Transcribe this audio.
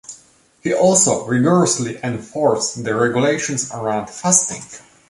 He also rigorously enforced the regulations around fasting.